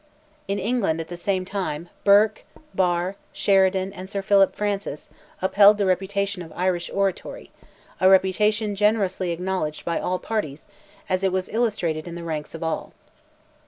In England, at the same time, Burke, Barre, Sheridan, and Sir Phillip Francis, upheld the reputation of Irish oratory; a reputation generously acknowledged by all parties, as it was illustrated in the ranks of all.